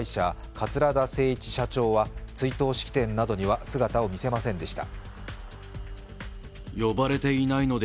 桂田精一社長は追悼式典などには姿を見せませんでした。